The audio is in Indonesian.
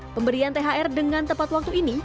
pemberian thr dengan tepat waktu ini